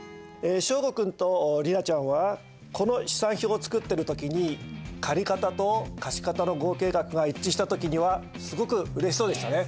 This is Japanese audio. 祥伍君と莉奈ちゃんはこの試算表を作ってる時に借方と貸方の合計額が一致した時にはすごくうれしそうでしたね。